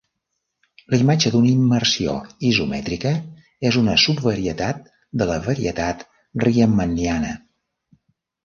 La imatge d'una immersió isomètrica és una subvarietat de la varietat riemanniana.